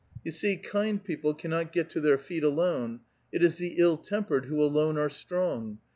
You see, kind [>eople caimot get to their feet alone. It is the ill tempered who alone are strong.